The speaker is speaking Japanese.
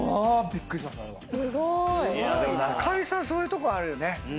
そういうとこあるよね。